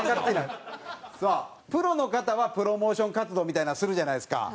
さあプロの方はプロモーション活動みたいなのするじゃないですか。